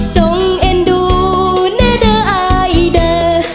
จงเอ็นดูเน่เดอร์ไอเดอร์